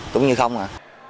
cũng như không à